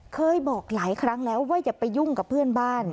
เคยบอกหลายครั้งแล้วว่าอย่าไปยุ่งกับเพื่อนบ้าน